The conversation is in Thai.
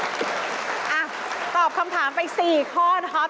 อ่ะตอบคำถามไป๔ข้อนะครับ